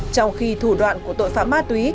trong khi thủ đoạn của tội phạm ma túy